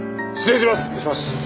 失礼します！